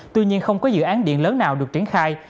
tuy nhiên không có dự án điện lớn nào được triển khai